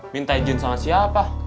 minta ijin sama siapa